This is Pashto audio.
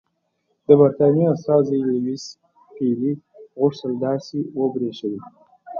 د برټانیې استازي لیویس پیلي غوښتل داسې وبرېښوي.